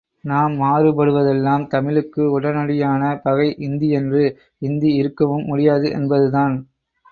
நாம் மாறுபடுவதெல்லாம் தமிழுக்கு உடனடியான பகை இந்தியன்று இந்தி இருக்கவும் முடியாது என்பதுதான்.